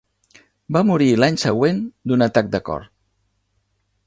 Va morir l'any següent d'un atac de cor.